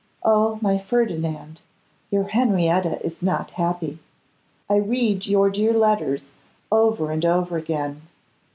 Oh! my Ferdinand, your Henrietta is not happy. I read your dear letters over and over again.